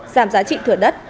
giảm giá trị thửa đất